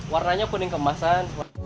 warnanya kuning kemasan